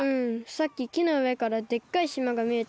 さっききのうえからでっかいしまがみえてさ。